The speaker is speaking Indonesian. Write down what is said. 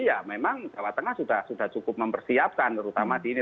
ya memang jawa tengah sudah cukup mempersiapkan terutama di ini